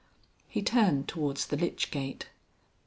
He turned towards the lych gate.